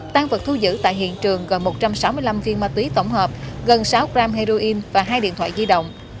tăng vật thu giữ tại hiện trường gần một trăm sáu mươi năm viên ma túy tổng hợp gần sáu gram heroin và hai điện thoại di động